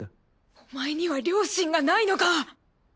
お前には良心がないのか。